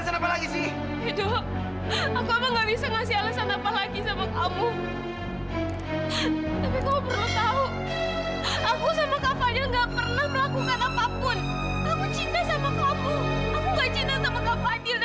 sampai jumpa fadil